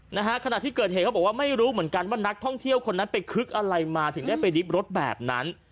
นะฮะขณะที่เกิดเหตุเขาบอกว่าไม่รู้เหมือนกันว่านักท่องเที่ยวคนนั้นไปคึกอะไรมาถึงได้ไปริบรถแบบนั้น